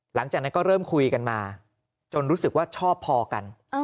หลังจากนั้นก็เริ่มคุยกันมาจนรู้สึกว่าชอบพอกัน